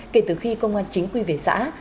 kể từ khi công an chính quy về xã